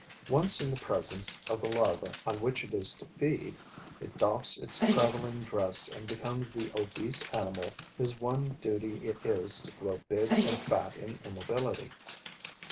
Once in the presence of the larva on which it is to feed, it doffs its travelling dress and becomes the obese animal whose one duty it is to grow big and fat in immobility.